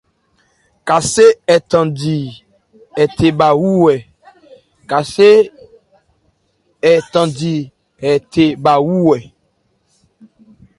Kasé ɛ thándi hɛ the bha wú hɛ.